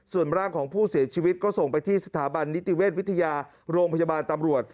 ส่วนร่างของผู้เสียชีวิตก็ส่งไปที่สถาบันนิติเวชวิทยาโรงพยาบาลตำรวจ